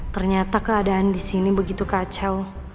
ternyata keadaan disini begitu kacau